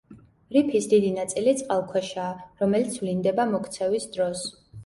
რიფის დიდი ნაწილი წყალქვეშაა, რომელიც ვლინდება მოქცევის დროს.